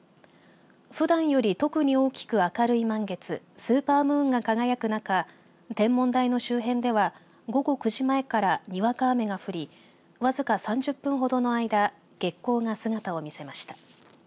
ふだんより特に大きく明るい満月スーパームーンが輝く中天文台の周辺では午後９時前からにわか雨が降りわずか３０分ほどの間月虹が姿を見せました。